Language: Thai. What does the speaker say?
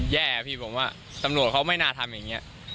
แย่พี่ผมว่าตำรวจเขาไม่น่าทำอย่างนี้